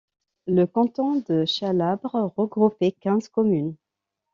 Le canton de Chalabre regroupait quinze communes.